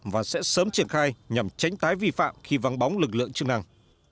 và sẽ sớm triển khai nhằm tránh tái vi phạm khi vắng bóng lực lượng chức năng